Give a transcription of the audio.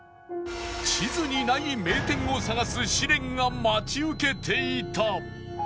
地図にない名店を探す試練が待ち受けていた